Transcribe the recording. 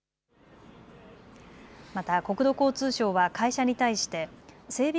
また国土交通省は会社に対して整備